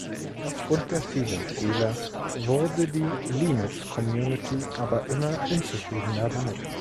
Aufgrund der vielen Fehler wurde die Linux-Community aber immer unzufriedener damit.